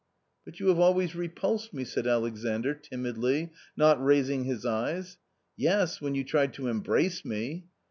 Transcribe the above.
" But you have always repulsed me," said Alexandr, timidly, not raising his eyes. " Yes, when you tried to embrace me."